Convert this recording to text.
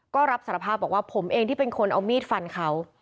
ก็รับสารภาพบอกว่าผมเองที่เป็นคนเอามีดฟันเขา